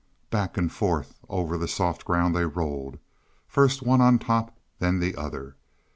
Back and forth over the soft ground they rolled, first one on top, then the other.